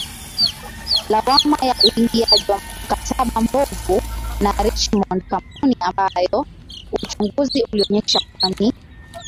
lawama ya uingiaji wa mkataba mbovu na Richmond kampuni ambayo uchunguzi ulionyesha kuwa ni